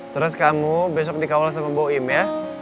terus kamu besok dikawal sama bu im ya